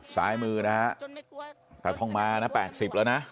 สายมือนะครับทองมานะ๘๐แล้วนะ